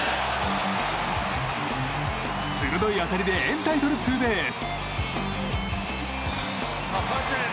鋭い当たりでエンタイトルツーベース。